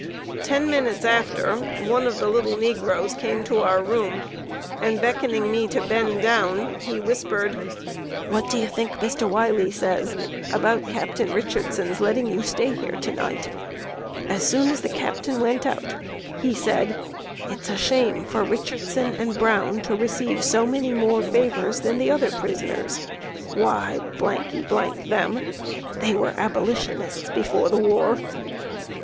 Ten minutes after, one of the little negroes came to our room, and, beckoning me to bend down, he whispered: "What do you think Mr. Wiley says about Captain Richardson's letting you stay here to night? As soon as the Captain went out, he said: 'It's a shame for Richardson and Browne to receive so many more favors than the other prisoners. Why, them, they were Abolitionists before the war!'"